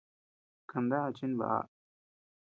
Kandaʼá chimbaʼa.